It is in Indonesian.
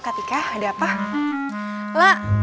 masih di rumah ya